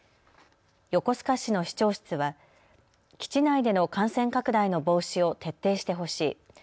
横須賀市の市長室は基地内での感染拡大の防止を徹底してほしい。